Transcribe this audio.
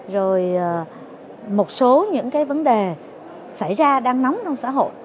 rồi một số những cái vấn đề xảy ra đang nóng trong xã hội